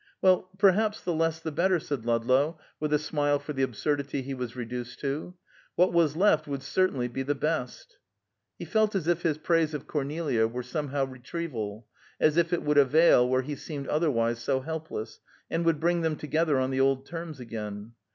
"Well, perhaps the less the better." said Ludlow, with a smile for the absurdity he was reduced to. "What was left would certainty be the best." He felt as if his praise of Cornelia were somehow retrieval; as if it would avail where he seemed otherwise so helpless, and would bring them together on the old terms again.